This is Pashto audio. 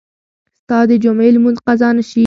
ستا د جمعې لمونځ قضا نه شي.